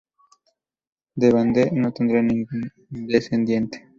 De Bande no tendrá ningún descendiente.